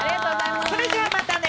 それじゃまたね！